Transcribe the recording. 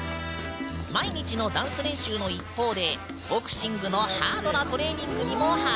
毎日のダンス練習の一方でボクシングのハードなトレーニングにも励んでいるんだ。